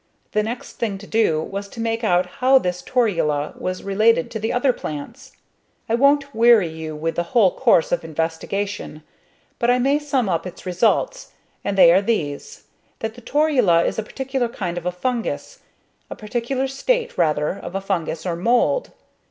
The next thing to do was to make out how this torula was related to the other plants. I won't weary you with the whole course of investigation, but I may sum up its results, and they are these that the torula is a particular kind of a fungus, a particular state rather, of a fungus or mould.